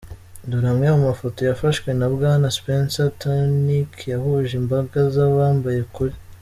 Dore amwe mu mafoto yafashwe na Bwana Spencer Tunick yahuje imbaga z’abambaye ukuri.